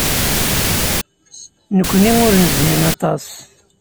Nekkni ur nezhi aṭas.